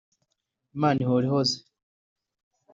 Imana ihora ihoze.